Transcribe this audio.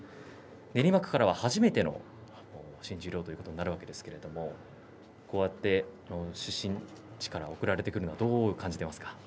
練馬区からは初めての新十両ということになるわけですけれどもこうやって出身地から贈られてくるのはどう感じていますか。